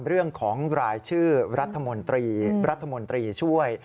เรื่องของรายชื่อรัฐมนตรีรัฐมนตรีช่วย